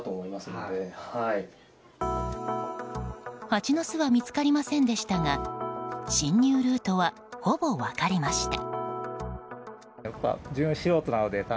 ハチの巣は見つかりませんでしたが侵入ルートは、ほぼ分かりました。